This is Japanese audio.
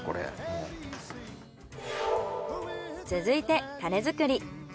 続いてタレ作り。